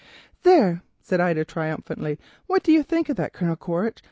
_" "There," said Ida triumphantly, "what do you think of that, Colonel Quaritch?